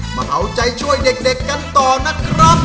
มาเอาใจช่วยเด็กกันต่อนะครับ